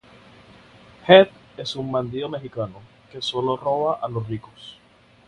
Jed es un bandido mexicano que solo roba a los ricos.